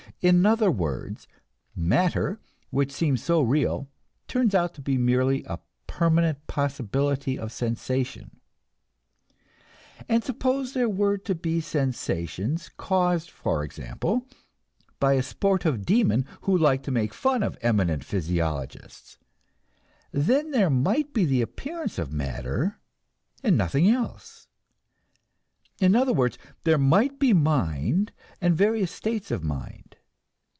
In other words, "matter," which seems so real, turns out to be merely "a permanent possibility of sensation." And suppose there were to be sensations, caused, for example, by a sportive demon who liked to make fun of eminent physiologists then there might be the appearance of matter and nothing else; in other words, there might be mind, and various states of mind.